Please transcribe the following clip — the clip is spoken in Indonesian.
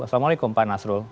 assalamualaikum pak nasrullah